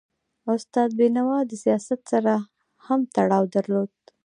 استاد بینوا د سیاست سره هم تړاو درلود.